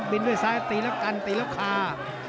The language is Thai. ด้วยซ้ายตีแล้วกันตีแล้วคา